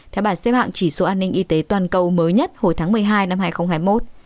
theo bản xếp hạng chỉ số an ninh y tế toàn cầu mới nhất hồi tháng một mươi hai năm hai nghìn hai mươi một